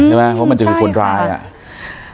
อืมเหมือนมันจะคือคนร้ายอ่ะ